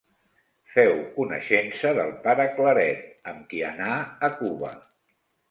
Feu coneixença del pare Claret, amb qui anà a Cuba.